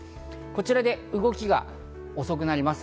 こちらで動きが遅くなります。